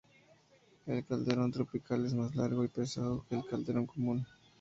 El calderón tropical, es más largo y pesado que el calderón común.